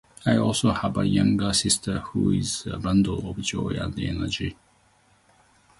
I also have a younger sister, who is a bundle of joy and energy.